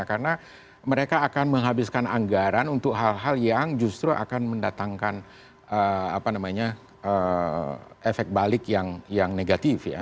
karena mereka akan menghabiskan anggaran untuk hal hal yang justru akan mendatangkan efek balik yang negatif ya